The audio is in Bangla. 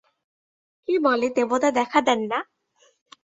কে বলে দেবতা দেখা দেন না!